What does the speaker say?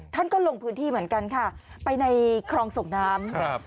ท่านก็ลงพื้นที่เหมือนกันค่ะไปในคลองส่งน้ำครับ